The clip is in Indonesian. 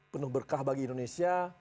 penuh berkah bagi indonesia